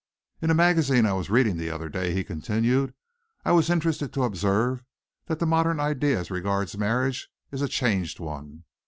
"In a magazine I was reading the other day," he continued, "I was interested to observe that the modern idea as regards marriage is a changed one.